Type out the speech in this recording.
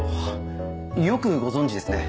よくご存じですね。